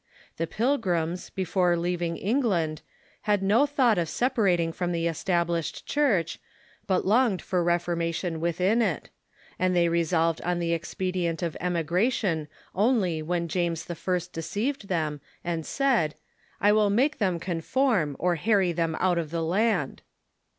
The Pilgrims, before leaving England, had no thought of separating from the Es tablished Church, but longed for reformation within it ; and they resolved on the expedient of emigration only when James i. deceived them, and said :" I will make them conform, or harry them out of the land."